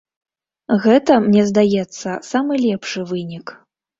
Гэта, мне здаецца, самы лепшы вынік.